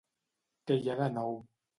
Què hi ha de nou.